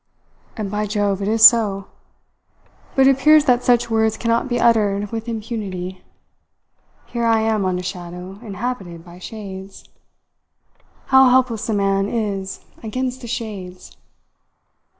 And, by Jove, it is so! But it appears that such words cannot be uttered with impunity. Here I am on a Shadow inhabited by Shades. How helpless a man is against the Shades!